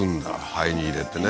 灰に入れてね